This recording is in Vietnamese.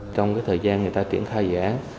trong cái thời gian người ta triển khai dự án